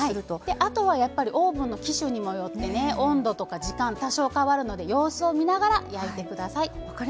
あとはオーブンの機種にもよって温度とか時間、多少変わるので様子を見ながら焼いてください。